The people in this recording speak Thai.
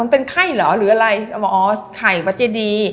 มันเป็นไข่เหรอหรืออะไรแบบอ๋อไข่อ๋อ